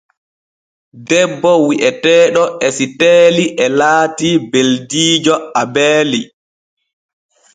Debbo wi’eteeɗo Esiteeli e laati beldiijo Abeeli.